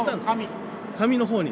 上のほうに。